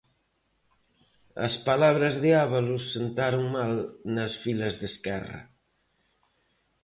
As palabras de Ábalos sentaron mal nas filas de Esquerra.